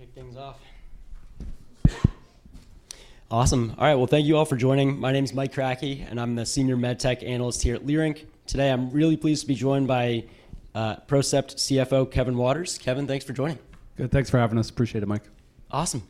All right, we can kick things off. Awesome. All right, thank you all for joining. My name's Mike Kratky, and I'm the Senior MedTech Analyst here at Leerink. Today, I'm really pleased to be joined by PROCEPT CFO Kevin Waters. Kevin, thanks for joining. Good, thanks for having us. Appreciate it, Mike. Awesome.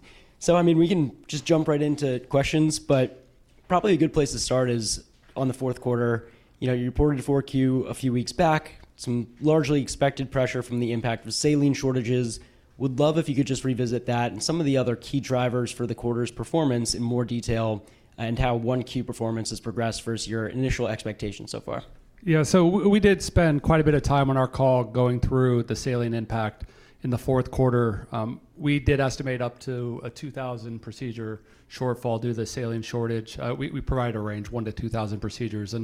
I mean, we can just jump right into questions, but probably a good place to start is on the fourth quarter. You reported a Q4 a few weeks back, some largely expected pressure from the impact of saline shortages. Would love if you could just revisit that and some of the other key drivers for the quarter's performance in more detail and how Q1 performance has progressed versus your initial expectations so far. Yeah, we did spend quite a bit of time on our call going through the saline impact in the fourth quarter. We did estimate up to a 2,000 procedure shortfall due to the saline shortage. We provide a range, 1,000-2,000 procedures.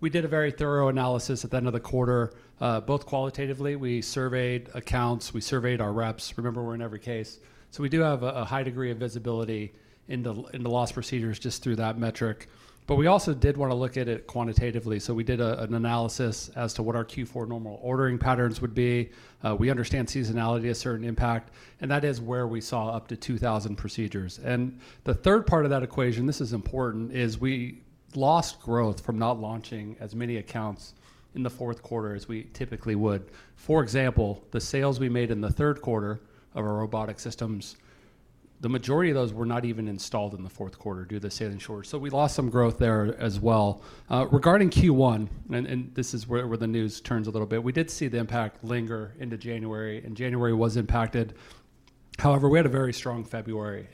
We did a very thorough analysis at the end of the quarter, both qualitatively. We surveyed accounts. We surveyed our reps. Remember, we're in every case. We do have a high degree of visibility in the lost procedures just through that metric. We also did want to look at it quantitatively. We did an analysis as to what our Q4 normal ordering patterns would be. We understand seasonality has a certain impact. That is where we saw up to 2,000 procedures. The third part of that equation, this is important, is we lost growth from not launching as many accounts in the fourth quarter as we typically would. For example, the sales we made in the third quarter of our robotic systems, the majority of those were not even installed in the fourth quarter due to the saline shortage. We lost some growth there as well. Regarding Q1, and this is where the news turns a little bit, we did see the impact linger into January. January was impacted. However, we had a very strong February.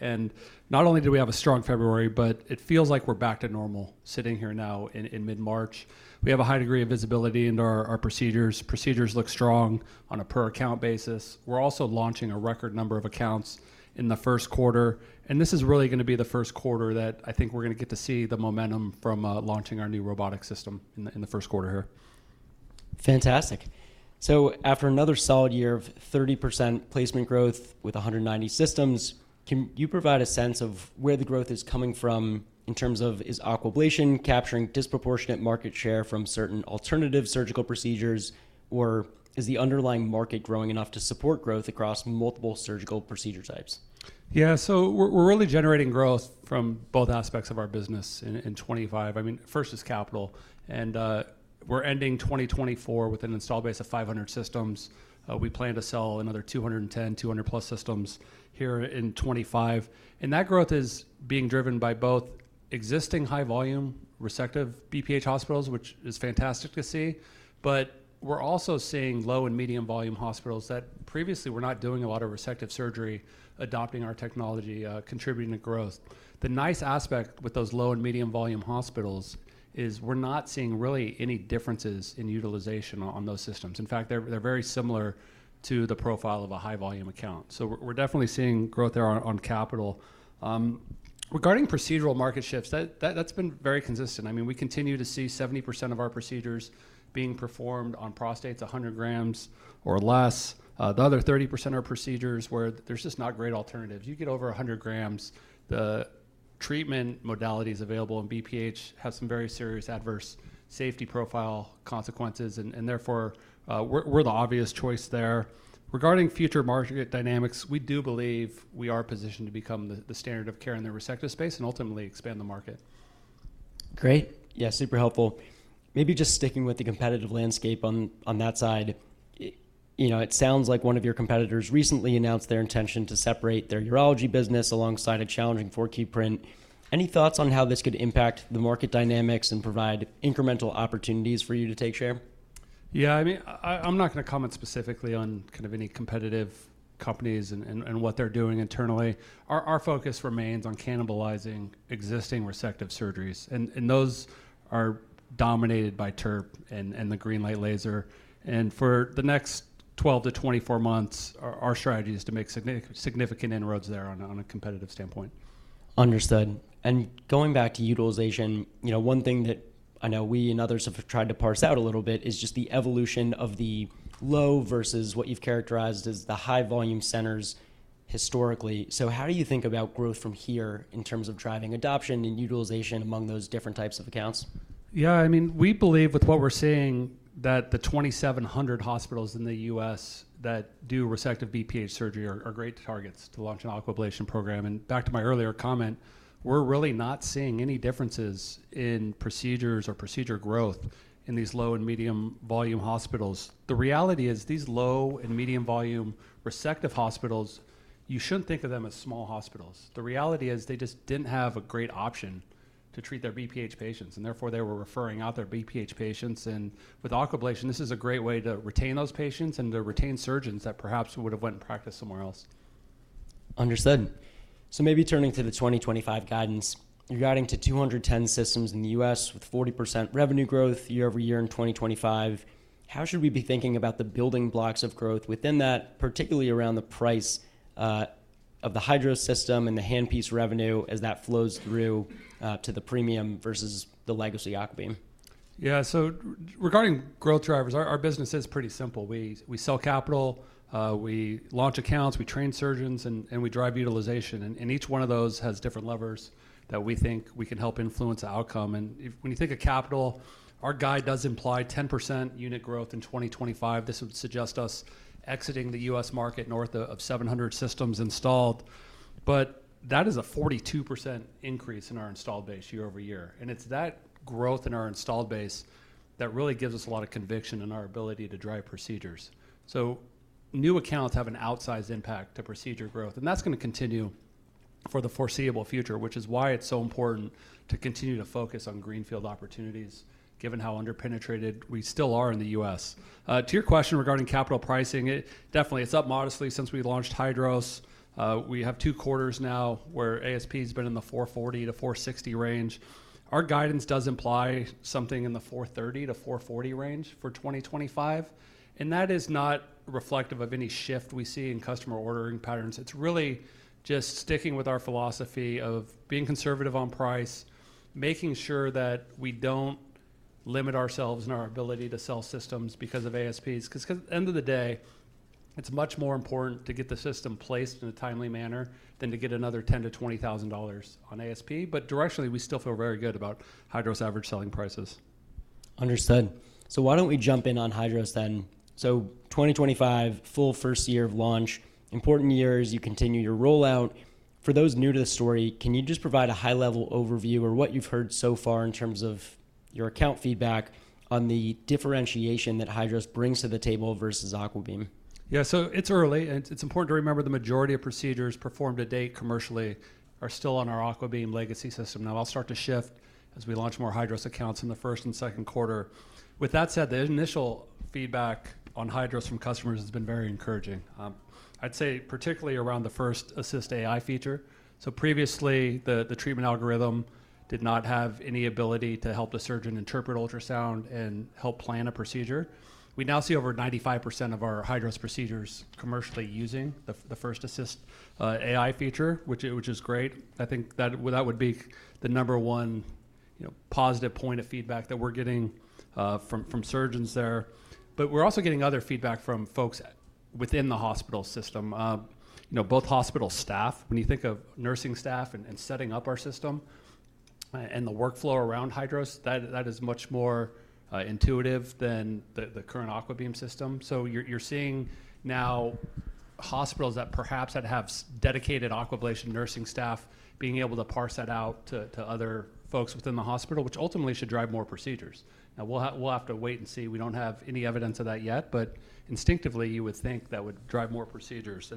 Not only did we have a strong February, but it feels like we're back to normal sitting here now in mid-March. We have a high degree of visibility into our procedures. Procedures look strong on a per-account basis. We're also launching a record number of accounts in the first quarter. This is really going to be the first quarter that I think we're going to get to see the momentum from launching our new robotic system in the first quarter here. Fantastic. After another solid year of 30% placement growth with 190 systems, can you provide a sense of where the growth is coming from in terms of is aquablation capturing disproportionate market share from certain alternative surgical procedures, or is the underlying market growing enough to support growth across multiple surgical procedure types? Yeah, so we're really generating growth from both aspects of our business in 2025. I mean, first is capital. And we're ending 2024 with an install base of 500 systems. We plan to sell another 210, 200-plus systems here in 2025. And that growth is being driven by both existing high-volume receptive BPH hospitals, which is fantastic to see, but we're also seeing low and medium-volume hospitals that previously were not doing a lot of receptive surgery, adopting our technology, contributing to growth. The nice aspect with those low and medium-volume hospitals is we're not seeing really any differences in utilization on those systems. In fact, they're very similar to the profile of a high-volume account. So we're definitely seeing growth there on capital. Regarding procedural market shifts, that's been very consistent. I mean, we continue to see 70% of our procedures being performed on prostates, 100 grams or less. The other 30% are procedures where there's just not great alternatives. You get over 100 grams, the treatment modalities available in BPH have some very serious adverse safety profile consequences. Therefore, we're the obvious choice there. Regarding future market dynamics, we do believe we are positioned to become the standard of care in the receptive space and ultimately expand the market. Great. Yeah, super helpful. Maybe just sticking with the competitive landscape on that side, it sounds like one of your competitors recently announced their intention to separate their urology business alongside a challenging fourth quarter print. Any thoughts on how this could impact the market dynamics and provide incremental opportunities for you to take share? Yeah, I mean, I'm not going to comment specifically on kind of any competitive companies and what they're doing internally. Our focus remains on cannibalizing existing resective surgeries. Those are dominated by TURP and the GreenLight Laser. For the next 12 to 24 months, our strategy is to make significant inroads there on a competitive standpoint. Understood. Going back to utilization, one thing that I know we and others have tried to parse out a little bit is just the evolution of the low versus what you've characterized as the high-volume centers historically. How do you think about growth from here in terms of driving adoption and utilization among those different types of accounts? Yeah, I mean, we believe with what we're seeing that the 2,700 hospitals in the U.S. that do resective BPH surgery are great targets to launch an aquablation program. Back to my earlier comment, we're really not seeing any differences in procedures or procedure growth in these low and medium-volume hospitals. The reality is these low and medium-volume resective hospitals, you shouldn't think of them as small hospitals. The reality is they just didn't have a great option to treat their BPH patients. Therefore, they were referring out their BPH patients. With aquablation, this is a great way to retain those patients and to retain surgeons that perhaps would have went and practiced somewhere else. Understood. Maybe turning to the 2025 guidance, you're guiding to 210 systems in the U.S. with 40% revenue growth year over year in 2025. How should we be thinking about the building blocks of growth within that, particularly around the price of the HYDROS system and the handpiece revenue as that flows through to the premium versus the legacy AQUABEAM? Yeah, so regarding growth drivers, our business is pretty simple. We sell capital. We launch accounts. We train surgeons. We drive utilization. Each one of those has different levers that we think we can help influence the outcome. When you think of capital, our guide does imply 10% unit growth in 2025. This would suggest us exiting the U.S. market north of 700 systems installed. That is a 42% increase in our installed base year over year. It's that growth in our installed base that really gives us a lot of conviction in our ability to drive procedures. New accounts have an outsized impact to procedure growth. That's going to continue for the foreseeable future, which is why it's so important to continue to focus on greenfield opportunities, given how underpenetrated we still are in the U.S. To your question regarding capital pricing, definitely, it's up modestly since we launched HYDROS. We have two quarters now where ASP has been in the $440-$460 range. Our guidance does imply something in the $430-$440 range for 2025. That is not reflective of any shift we see in customer ordering patterns. It's really just sticking with our philosophy of being conservative on price, making sure that we don't limit ourselves in our ability to sell systems because of ASPs. At the end of the day, it's much more important to get the system placed in a timely manner than to get another $10,000-$20,000 on ASP. Directionally, we still feel very good about HYDROS' average selling prices. Understood. Why don't we jump in on HYDROS then? 2025, full first year of launch, important year as you continue your rollout. For those new to the story, can you just provide a high-level overview or what you've heard so far in terms of your account feedback on the differentiation that HYDROS brings to the table versus AQUABEAM? Yeah, so it's early. It's important to remember the majority of procedures performed to date commercially are still on our AQUABEAM legacy system. That will start to shift as we launch more HYDROS accounts in the first and second quarter. With that said, the initial feedback on HYDROS from customers has been very encouraging. I'd say particularly around the First Assist AI feature. Previously, the treatment algorithm did not have any ability to help the surgeon interpret ultrasound and help plan a procedure. We now see over 95% of our HYDROS procedures commercially using the First Assist AI feature, which is great. I think that would be the number one positive point of feedback that we're getting from surgeons there. We're also getting other feedback from folks within the hospital system, both hospital staff. When you think of nursing staff and setting up our system and the workflow around HYDROS, that is much more intuitive than the current AQUABEAM system. You're seeing now hospitals that perhaps had to have dedicated Aquablation nursing staff being able to parse that out to other folks within the hospital, which ultimately should drive more procedures. We will have to wait and see. We do not have any evidence of that yet. Instinctively, you would think that would drive more procedures.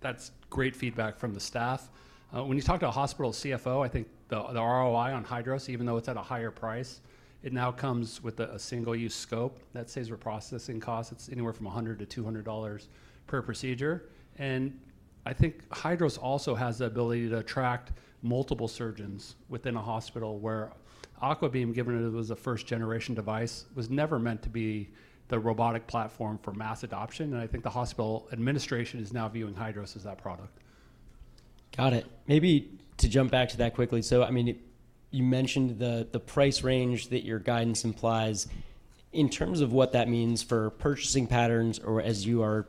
That is great feedback from the staff. When you talk to a hospital CFO, I think the ROI on HYDROS, even though it is at a higher price, it now comes with a single-use scope that saves reprocessing costs. It is anywhere from $100-$200 per procedure. I think HYDROS also has the ability to attract multiple surgeons within a hospital where AQUABEAM, given it was a first-generation device, was never meant to be the robotic platform for mass adoption. I think the hospital administration is now viewing HYDROS as that product. Got it. Maybe to jump back to that quickly. I mean, you mentioned the price range that your guidance implies. In terms of what that means for purchasing patterns or as you have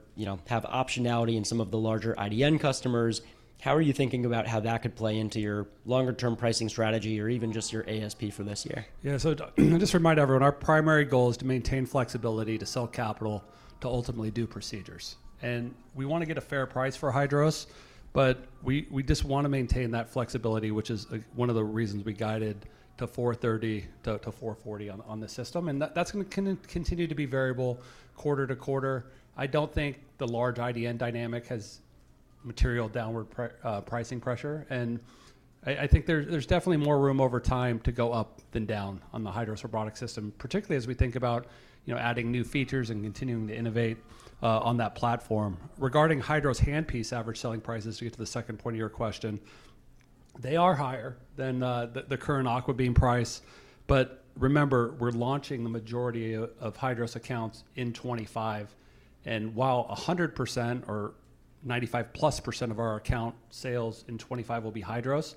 optionality in some of the larger IDN customers, how are you thinking about how that could play into your longer-term pricing strategy or even just your ASP for this year? Yeah, so just to remind everyone, our primary goal is to maintain flexibility to sell capital to ultimately do procedures. We want to get a fair price for HYDROS, but we just want to maintain that flexibility, which is one of the reasons we guided to $430,000-$440,000 on the system. That's going to continue to be variable quarter to quarter. I don't think the large IDN dynamic has material downward pricing pressure. I think there's definitely more room over time to go up than down on the HYDROS robotic system, particularly as we think about adding new features and continuing to innovate on that platform. Regarding HYDROS handpiece average selling prices, to get to the second point of your question, they are higher than the current AquaBeam price. But remember, we're launching the majority of HYDROS accounts in 2025. While 100% or 95-plus % of our account sales in 2025 will be HYDROS,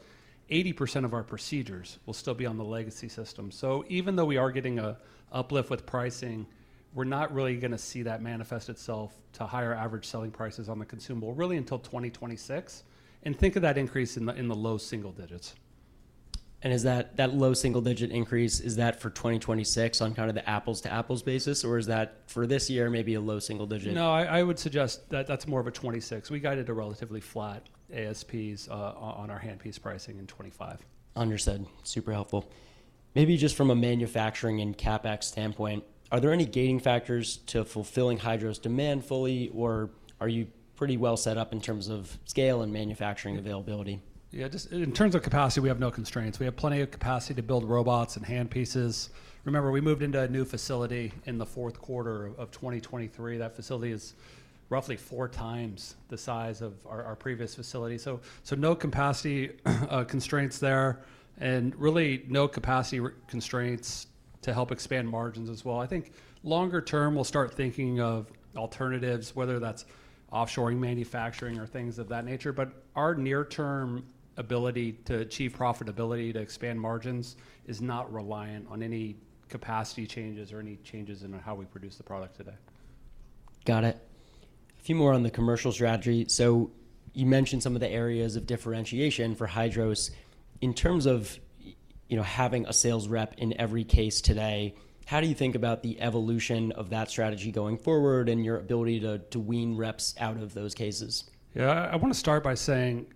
80% of our procedures will still be on the legacy system. Even though we are getting an uplift with pricing, we're not really going to see that manifest itself to higher average selling prices on the consumable really until 2026. Think of that increase in the low single digits. Is that low single-digit increase, is that for 2026 on kind of the apples-to-apples basis, or is that for this year maybe a low single digit? No, I would suggest that that's more of a 2026. We guided a relatively flat ASPs on our handpiece pricing in 2025. Understood. Super helpful. Maybe just from a manufacturing and CapEx standpoint, are there any gating factors to fulfilling Hydros' demand fully, or are you pretty well set up in terms of scale and manufacturing availability? Yeah, just in terms of capacity, we have no constraints. We have plenty of capacity to build robots and handpieces. Remember, we moved into a new facility in the fourth quarter of 2023. That facility is roughly four times the size of our previous facility. No capacity constraints there and really no capacity constraints to help expand margins as well. I think longer term, we'll start thinking of alternatives, whether that's offshoring, manufacturing, or things of that nature. Our near-term ability to achieve profitability to expand margins is not reliant on any capacity changes or any changes in how we produce the product today. Got it. A few more on the commercial strategy. You mentioned some of the areas of differentiation for HYDROS. In terms of having a sales rep in every case today, how do you think about the evolution of that strategy going forward and your ability to wean reps out of those cases? Yeah, I want to start by saying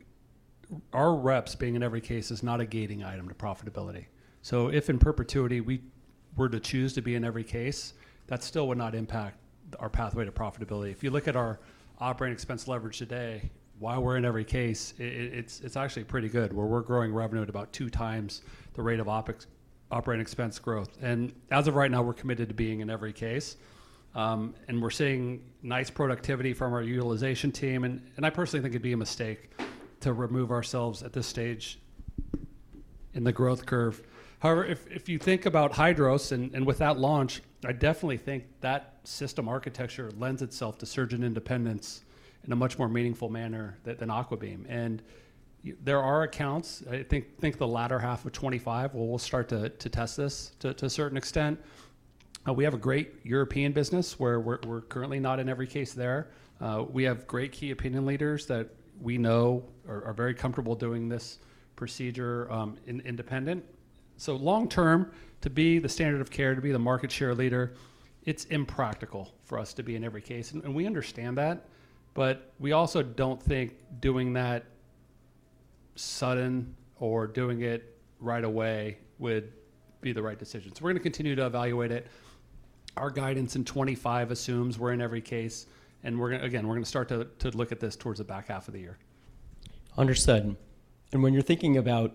our reps being in every case is not a gating item to profitability. If in perpetuity we were to choose to be in every case, that still would not impact our pathway to profitability. If you look at our operating expense leverage today, while we're in every case, it's actually pretty good. We're growing revenue at about two times the rate of operating expense growth. As of right now, we're committed to being in every case. We're seeing nice productivity from our utilization team. I personally think it'd be a mistake to remove ourselves at this stage in the growth curve. However, if you think about HYDROS and with that launch, I definitely think that system architecture lends itself to surgeon independence in a much more meaningful manner than AQUABEAM. There are accounts, I think the latter half of 2025, where we'll start to test this to a certain extent. We have a great European business where we're currently not in every case there. We have great key opinion leaders that we know are very comfortable doing this procedure independent. Long term, to be the standard of care, to be the market share leader, it's impractical for us to be in every case. We understand that. We also don't think doing that sudden or doing it right away would be the right decision. We're going to continue to evaluate it. Our guidance in 2025 assumes we're in every case. Again, we're going to start to look at this towards the back half of the year. Understood. When you're thinking about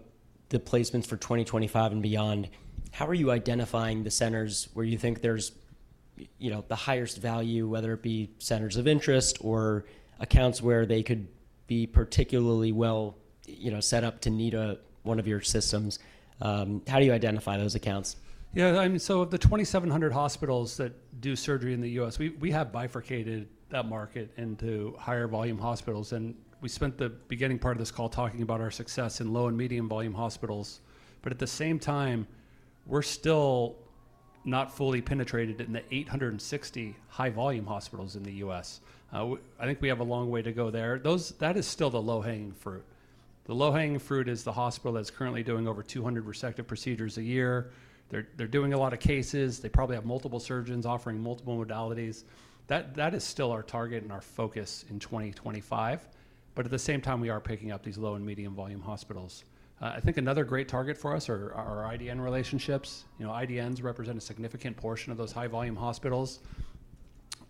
the placements for 2025 and beyond, how are you identifying the centers where you think there's the highest value, whether it be centers of interest or accounts where they could be particularly well set up to need one of your systems? How do you identify those accounts? Yeah, I mean, so of the 2,700 hospitals that do surgery in the U.S., we have bifurcated that market into higher volume hospitals. We spent the beginning part of this call talking about our success in low and medium volume hospitals. At the same time, we're still not fully penetrated in the 860 high volume hospitals in the U.S. I think we have a long way to go there. That is still the low-hanging fruit. The low-hanging fruit is the hospital that's currently doing over 200 resective procedures a year. They're doing a lot of cases. They probably have multiple surgeons offering multiple modalities. That is still our target and our focus in 2025. At the same time, we are picking up these low and medium volume hospitals. I think another great target for us are our IDN relationships. IDNs represent a significant portion of those high volume hospitals.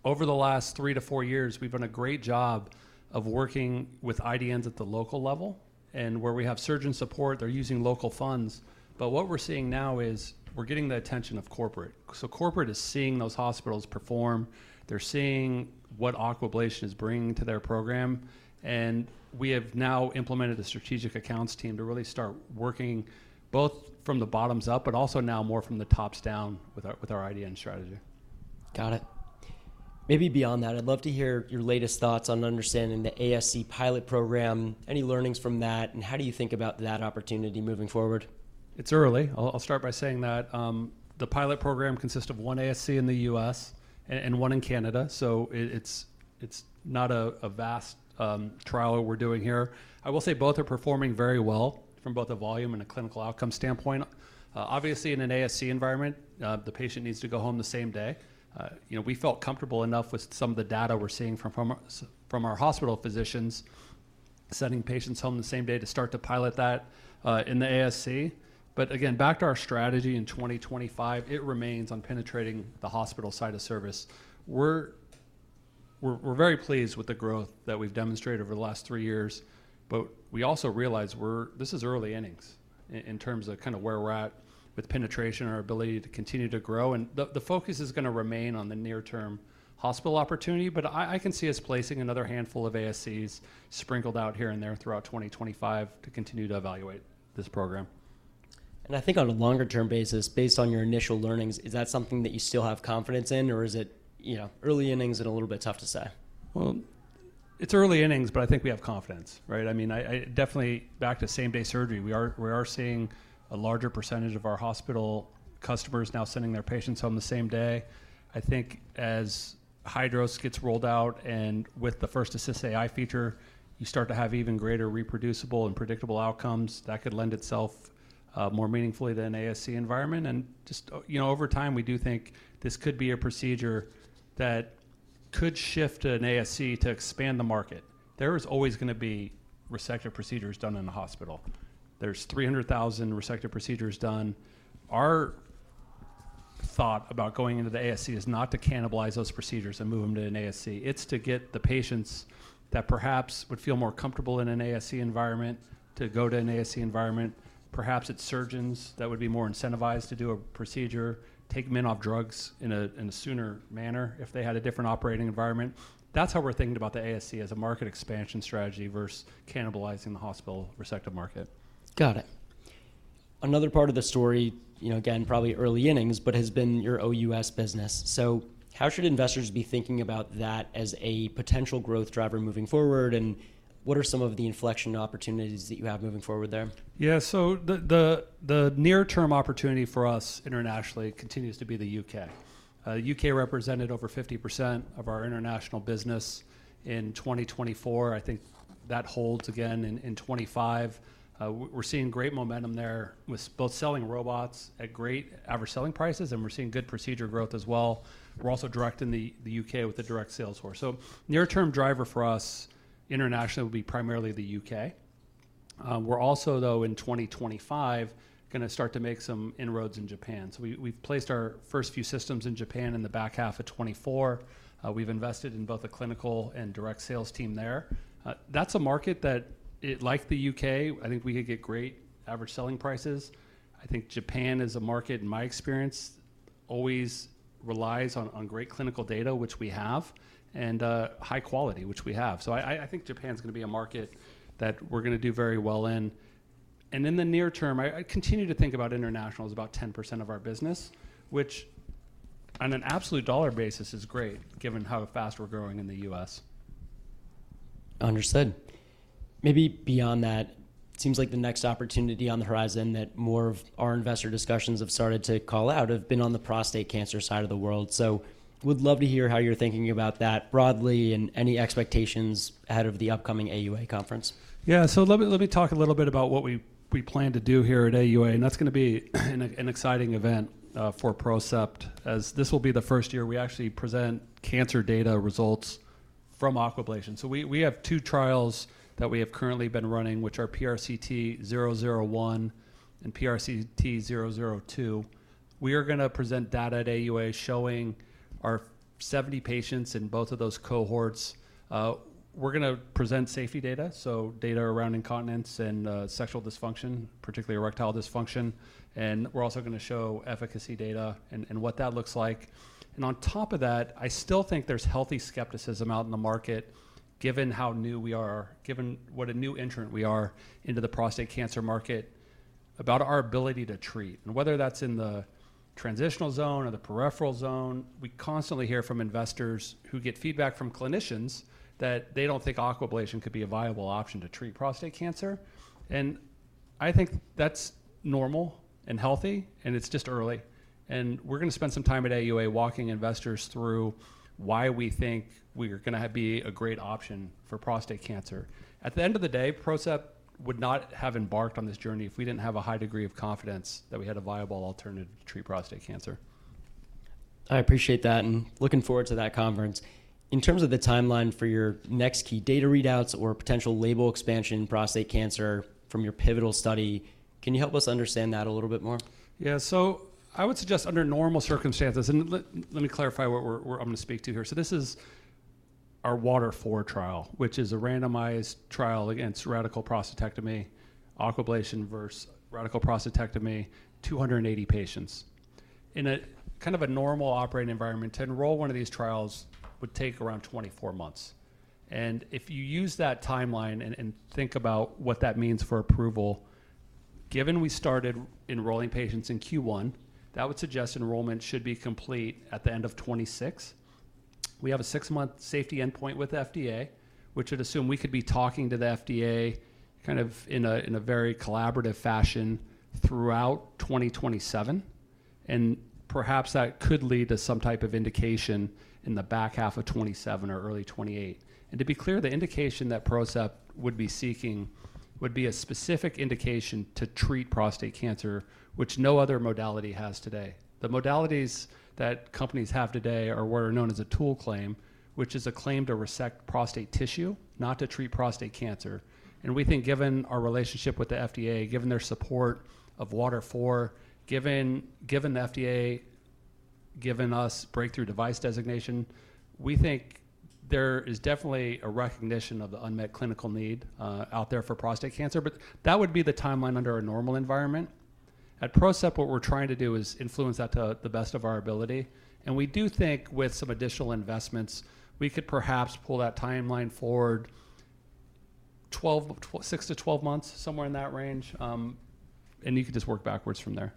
Over the last three to four years, we've done a great job of working with IDNs at the local level. Where we have surgeon support, they're using local funds. What we're seeing now is we're getting the attention of corporate. Corporate is seeing those hospitals perform. They're seeing what aquablation is bringing to their program. We have now implemented a strategic accounts team to really start working both from the bottoms up, but also now more from the tops down with our IDN strategy. Got it. Maybe beyond that, I'd love to hear your latest thoughts on understanding the ASC pilot program, any learnings from that, and how do you think about that opportunity moving forward? It's early. I'll start by saying that the pilot program consists of one ASC in the U.S. and one in Canada. It is not a vast trial that we're doing here. I will say both are performing very well from both a volume and a clinical outcome standpoint. Obviously, in an ASC environment, the patient needs to go home the same day. We felt comfortable enough with some of the data we're seeing from our hospital physicians sending patients home the same day to start to pilot that in the ASC. Again, back to our strategy in 2025, it remains on penetrating the hospital side of service. We're very pleased with the growth that we've demonstrated over the last three years. We also realize this is early innings in terms of kind of where we're at with penetration and our ability to continue to grow. The focus is going to remain on the near-term hospital opportunity. I can see us placing another handful of ASCs sprinkled out here and there throughout 2025 to continue to evaluate this program. I think on a longer-term basis, based on your initial learnings, is that something that you still have confidence in, or is it early innings and a little bit tough to say? It's early innings, but I think we have confidence, right? I mean, definitely back to same-day surgery. We are seeing a larger percentage of our hospital customers now sending their patients home the same day. I think as HYDROS gets rolled out and with the First Assist AI feature, you start to have even greater reproducible and predictable outcomes that could lend itself more meaningfully than an ASC environment. Just over time, we do think this could be a procedure that could shift to an ASC to expand the market. There is always going to be receptive procedures done in the hospital. There are 300,000 receptive procedures done. Our thought about going into the ASC is not to cannibalize those procedures and move them to an ASC. It's to get the patients that perhaps would feel more comfortable in an ASC environment to go to an ASC environment. Perhaps it's surgeons that would be more incentivized to do a procedure, take men off drugs in a sooner manner if they had a different operating environment. That's how we're thinking about the ASC as a market expansion strategy versus cannibalizing the hospital receptive market. Got it. Another part of the story, again, probably early innings, but has been your OUS business. How should investors be thinking about that as a potential growth driver moving forward? What are some of the inflection opportunities that you have moving forward there? Yeah, so the near-term opportunity for us internationally continues to be the U.K. The U.K. represented over 50% of our international business in 2024. I think that holds again in 2025. We're seeing great momentum there with both selling robots at great average selling prices, and we're seeing good procedure growth as well. We're also directing the U.K. with a direct sales force. Near-term driver for us internationally would be primarily the U.K. We're also, though, in 2025, going to start to make some inroads in Japan. We've placed our first few systems in Japan in the back half of 2024. We've invested in both a clinical and direct sales team there. That's a market that, like the U.K., I think we could get great average selling prices. I think Japan is a market, in my experience, always relies on great clinical data, which we have, and high quality, which we have. I think Japan is going to be a market that we're going to do very well in. In the near term, I continue to think about international as about 10% of our business, which on an absolute dollar basis is great given how fast we're growing in the U.S. Understood. Maybe beyond that, it seems like the next opportunity on the horizon that more of our investor discussions have started to call out have been on the prostate cancer side of the world. We'd love to hear how you're thinking about that broadly and any expectations ahead of the upcoming AUA conference. Yeah, let me talk a little bit about what we plan to do here at AUA. That's going to be an exciting event for PROCEPT, as this will be the first year we actually present cancer data results from aquablation. We have two trials that we have currently been running, which are PRCT 001 and PRCT 002. We are going to present data at AUA showing our 70 patients in both of those cohorts. We're going to present safety data, so data around incontinence and sexual dysfunction, particularly erectile dysfunction. We're also going to show efficacy data and what that looks like. On top of that, I still think there's healthy skepticism out in the market, given how new we are, given what a new entrant we are into the prostate cancer market, about our ability to treat. Whether that's in the transitional zone or the peripheral zone, we constantly hear from investors who get feedback from clinicians that they don't think aquablation could be a viable option to treat prostate cancer. I think that's normal and healthy, and it's just early. We're going to spend some time at AUA walking investors through why we think we are going to be a great option for prostate cancer. At the end of the day, PROCEPT would not have embarked on this journey if we didn't have a high degree of confidence that we had a viable alternative to treat prostate cancer. I appreciate that and looking forward to that conference. In terms of the timeline for your next key data readouts or potential label expansion in prostate cancer from your pivotal study, can you help us understand that a little bit more? Yeah, I would suggest under normal circumstances, and let me clarify what I'm going to speak to here. This is our WATER IV trial, which is a randomized trial against radical prostatectomy, Aquablation versus radical prostatectomy, 280 patients. In a kind of a normal operating environment, to enroll one of these trials would take around 24 months. If you use that timeline and think about what that means for approval, given we started enrolling patients in Q1, that would suggest enrollment should be complete at the end of 2026. We have a six-month safety endpoint with the FDA, which would assume we could be talking to the FDA in a very collaborative fashion throughout 2027. Perhaps that could lead to some type of indication in the back half of 2027 or early 2028. To be clear, the indication that PROCEPT would be seeking would be a specific indication to treat prostate cancer, which no other modality has today. The modalities that companies have today are what are known as a tool claim, which is a claim to resect prostate tissue, not to treat prostate cancer. We think given our relationship with the FDA, given their support of WATER IV, given the FDA giving us breakthrough device designation, we think there is definitely a recognition of the unmet clinical need out there for prostate cancer. That would be the timeline under a normal environment. At PROCEPT, what we're trying to do is influence that to the best of our ability. We do think with some additional investments, we could perhaps pull that timeline forward 6-12 months, somewhere in that range. You could just work backwards from there.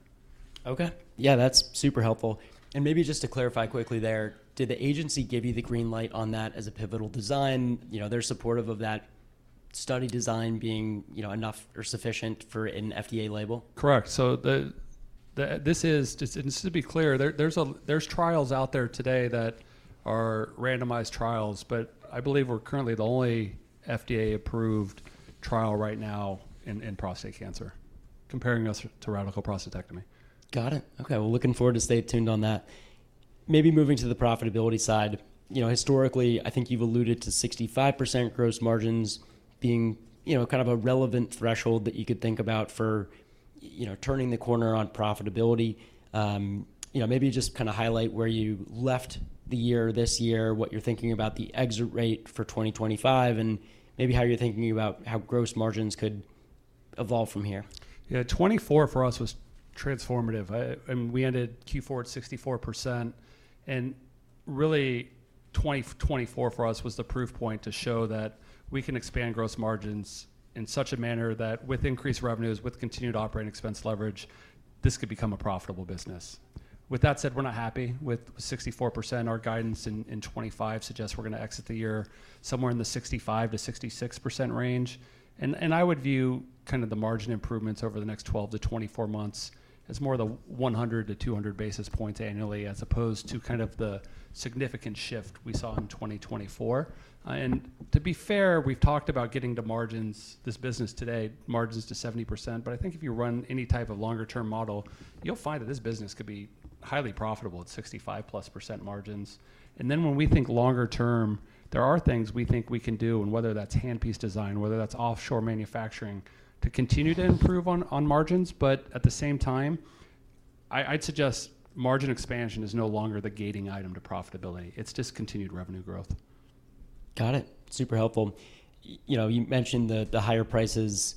Okay. Yeah, that's super helpful. Maybe just to clarify quickly there, did the agency give you the green light on that as a pivotal design? They're supportive of that study design being enough or sufficient for an FDA label? Correct. To be clear, there are trials out there today that are randomized trials, but I believe we are currently the only FDA-approved trial right now in prostate cancer, comparing us to radical prostatectomy. Got it. Okay. Looking forward to stay tuned on that. Maybe moving to the profitability side. Historically, I think you've alluded to 65% gross margins being kind of a relevant threshold that you could think about for turning the corner on profitability. Maybe just kind of highlight where you left the year this year, what you're thinking about the exit rate for 2025, and maybe how you're thinking about how gross margins could evolve from here. Yeah, 2024 for us was transformative. We ended Q4 at 64%. Really, 2024 for us was the proof point to show that we can expand gross margins in such a manner that with increased revenues, with continued operating expense leverage, this could become a profitable business. With that said, we're not happy with 64%. Our guidance in 2025 suggests we're going to exit the year somewhere in the 65%-66% range. I would view kind of the margin improvements over the next 12 to 24 months as more of the 100 to 200 basis points annually as opposed to kind of the significant shift we saw in 2024. To be fair, we've talked about getting to margins this business today, margins to 70%. I think if you run any type of longer-term model, you'll find that this business could be highly profitable at 65% plus margins. When we think longer-term, there are things we think we can do, and whether that's handpiece design, whether that's offshore manufacturing, to continue to improve on margins. At the same time, I'd suggest margin expansion is no longer the gating item to profitability. It's just continued revenue growth. Got it. Super helpful. You mentioned the higher prices.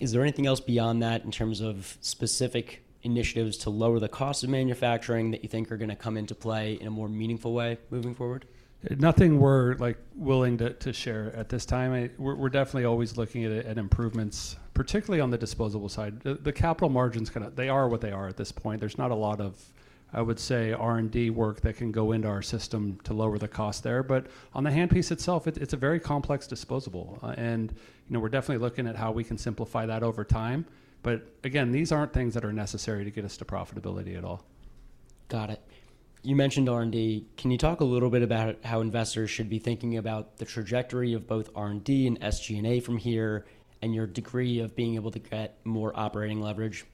Is there anything else beyond that in terms of specific initiatives to lower the cost of manufacturing that you think are going to come into play in a more meaningful way moving forward? Nothing we're willing to share at this time. We're definitely always looking at improvements, particularly on the disposable side. The capital margins, they are what they are at this point. There's not a lot of, I would say, R&D work that can go into our system to lower the cost there. On the handpiece itself, it's a very complex disposable. We're definitely looking at how we can simplify that over time. Again, these aren't things that are necessary to get us to profitability at all. Got it. You mentioned R&D. Can you talk a little bit about how investors should be thinking about the trajectory of both R&D and SG&A from here and your degree of being able to get more operating leverage?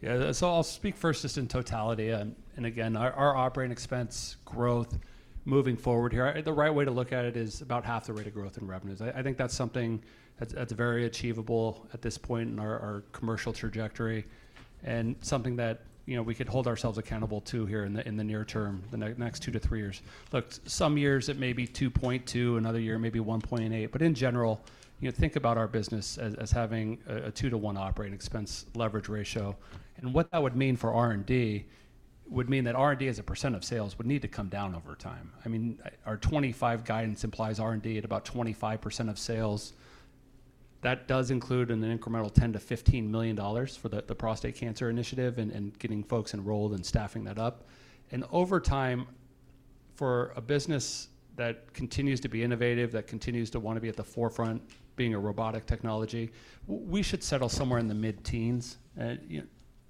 Yeah, I'll speak first just in totality. Again, our operating expense growth moving forward here, the right way to look at it is about half the rate of growth in revenues. I think that's something that's very achievable at this point in our commercial trajectory and something that we could hold ourselves accountable to here in the near term, the next two to three years. Look, some years it may be 2.2, another year maybe 1.8. In general, think about our business as having a 2-1 operating expense leverage ratio. What that would mean for R&D would mean that R&D as a percent of sales would need to come down over time. I mean, our 2025 guidance implies R&D at about 25% of sales. That does include an incremental $10-$15 million for the prostate cancer initiative and getting folks enrolled and staffing that up. Over time, for a business that continues to be innovative, that continues to want to be at the forefront, being a robotic technology, we should settle somewhere in the mid-teens,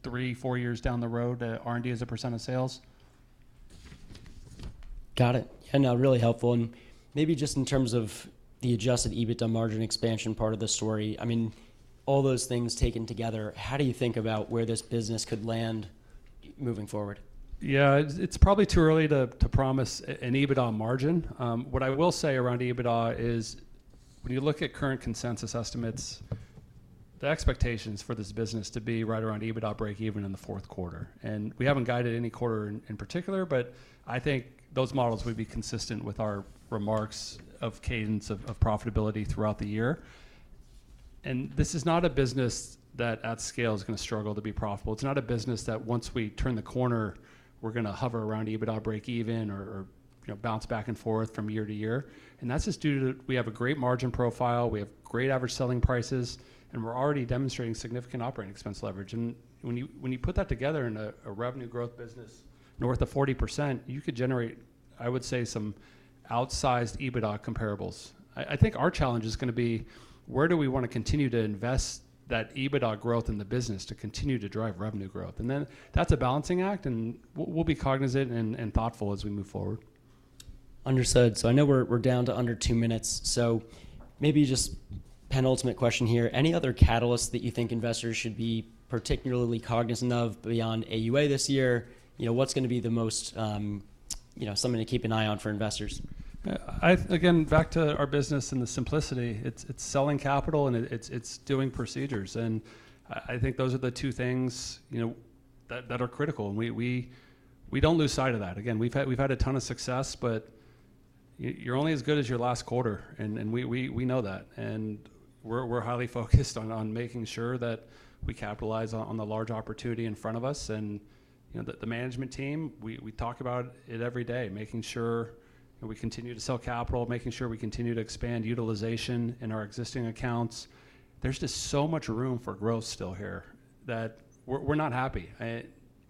three, four years down the road, R&D as a % of sales. Got it. Yeah, no, really helpful. Maybe just in terms of the adjusted EBITDA margin expansion part of the story, I mean, all those things taken together, how do you think about where this business could land moving forward? Yeah, it's probably too early to promise an EBITDA margin. What I will say around EBITDA is when you look at current consensus estimates, the expectations for this business to be right around EBITDA break-even in the fourth quarter. We haven't guided any quarter in particular, but I think those models would be consistent with our remarks of cadence of profitability throughout the year. This is not a business that at scale is going to struggle to be profitable. It's not a business that once we turn the corner, we're going to hover around EBITDA break-even or bounce back and forth from year to year. That is just due to we have a great margin profile, we have great average selling prices, and we're already demonstrating significant operating expense leverage. When you put that together in a revenue growth business north of 40%, you could generate, I would say, some outsized EBITDA comparables. I think our challenge is going to be where do we want to continue to invest that EBITDA growth in the business to continue to drive revenue growth. That is a balancing act, and we'll be cognizant and thoughtful as we move forward. Understood. I know we're down to under two minutes. Maybe just penultimate question here. Any other catalysts that you think investors should be particularly cognizant of beyond AUA this year? What's going to be the most something to keep an eye on for investors? Again, back to our business and the simplicity. It's selling capital and it's doing procedures. I think those are the two things that are critical. We don't lose sight of that. We've had a ton of success, but you're only as good as your last quarter, and we know that. We're highly focused on making sure that we capitalize on the large opportunity in front of us. The management team, we talk about it every day, making sure we continue to sell capital, making sure we continue to expand utilization in our existing accounts. There's just so much room for growth still here that we're not happy.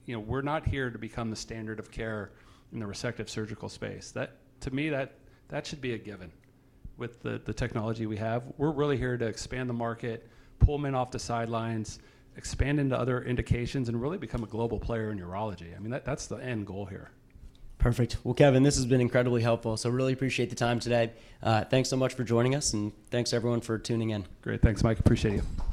We're not here to become the standard of care in the resective surgical space. To me, that should be a given with the technology we have. We're really here to expand the market, pull men off the sidelines, expand into other indications, and really become a global player in urology. I mean, that's the end goal here. Perfect. Kevin, this has been incredibly helpful. I really appreciate the time today. Thanks so much for joining us, and thanks everyone for tuning in. Great. Thanks, Mike. Appreciate you.